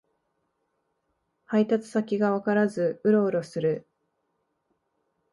配達先がわからずウロウロする